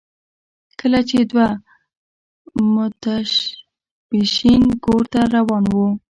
کله چې دوه متشبثین کور ته روان وو